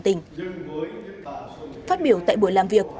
tại buổi làm việc